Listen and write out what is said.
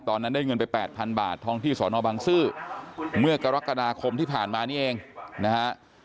ตอนนั้นได้เงินไป๘๐๐๐บาททองที่สอนอบังซื้อเมื่อกรกฎาคมที่ผ่านมานี่เองนะฮะ